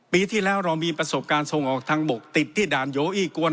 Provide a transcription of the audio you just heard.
ปีที่แล้วเรามีประสบการณ์ส่งออกทางบกติดที่ด่านโยอี้กวน